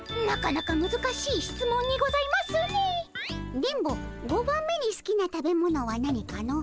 電ボ５番目にすきな食べ物は何かの？